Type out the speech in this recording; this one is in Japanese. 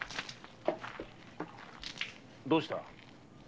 どうした？